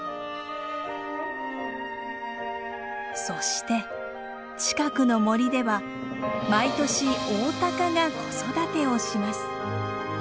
そして近くの森では毎年オオタカが子育てをします。